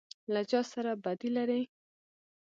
_ له چا سره بدي لری؟